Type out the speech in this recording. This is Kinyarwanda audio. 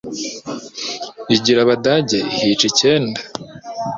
Igira Abadage ikica icyenda